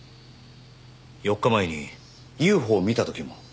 ４日前にＵＦＯを見た時も？